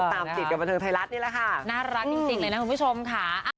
เดี๋ยวตามกิตกับบันเทิงไทยรัฐนี่แหละค่ะ